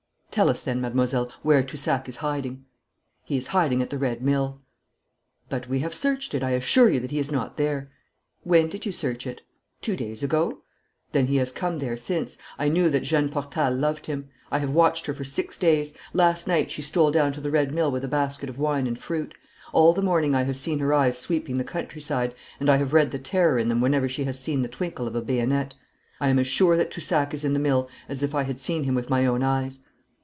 'Tell us then, mademoiselle, where Toussac is hiding.' 'He is hiding at the Red Mill.' 'But we have searched it, I assure you that he is not there.' 'When did you search it?' 'Two days ago.' 'Then he has come there since. I knew that Jeanne Portal loved him. I have watched her for six days. Last night she stole down to the Red Mill with a basket of wine and fruit. All the morning I have seen her eyes sweeping the country side, and I have read the terror in them whenever she has seen the twinkle of a bayonet. I am as sure that Toussac is in the mill as if I had seen him with my own eyes.'